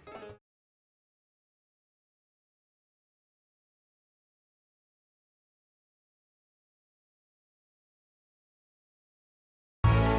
apaan sih orang kamu beli sabun sama lepasan gigi kok